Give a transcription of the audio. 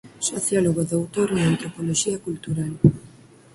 Sociólogo e Doutor en Antropoloxía Cultural.